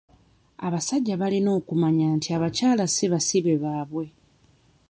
Abasajja balina okumanya nti abakyala si basibe baabwe.